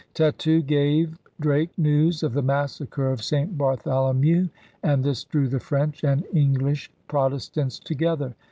Tetu gave Drake news of the Massacre of St. Bartholomew, and this drew the French and English Protestants together.